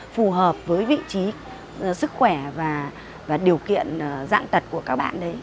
phù hợp với vị trí sức khỏe và điều kiện dạng tật của các bạn đấy